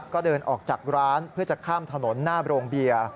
ก็เดินออกจากร้านเพื่อจะข้ามถนนหน้าโรงเบียร์